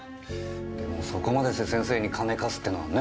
でもそこまでして先生に金貸すってのはね。